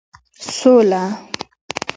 سوله